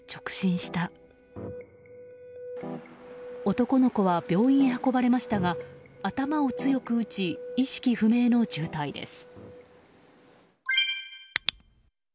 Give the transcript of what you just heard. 男の子は病院へ運ばれましたが頭を強く打ち意識不明の重体です。